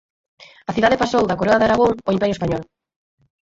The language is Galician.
A cidade pasou da Coroa de Aragón ao Imperio español.